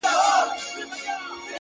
عاجزي د لویو زړونو ځانګړنه ده،